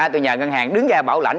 tôi nhờ ngân hàng đứng ra bảo lãnh